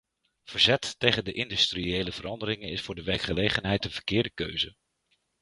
Verzet tegen de industriële veranderingen is voor de werkgelegenheid een verkeerde keuze.